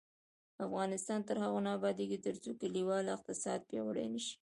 افغانستان تر هغو نه ابادیږي، ترڅو کلیوالي اقتصاد پیاوړی نشي.